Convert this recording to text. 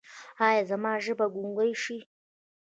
ایا زما ژبه به ګونګۍ شي؟